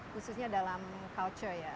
khususnya dalam culture ya